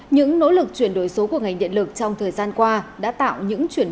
những nỗ lực chuyển đổi số của ngành điện lực trong thời gian qua đã tạo những chuyển